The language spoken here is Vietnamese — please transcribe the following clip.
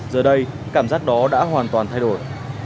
giờ đây cảm giác đó đã hoàn toàn thay đổi